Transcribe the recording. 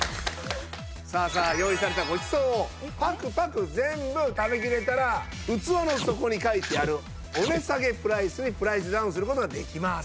さあさあ用意されたごちそうをパクパク全部食べきれたら器の底に書いてあるお値下げプライスにプライスダウンする事ができます。